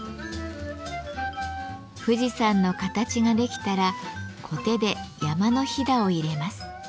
富士山の形ができたらコテで山のひだを入れます。